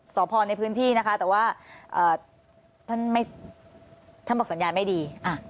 สอบพอในพื้นที่นะคะแต่ว่าท่านบอกสัญญาณไม่ดี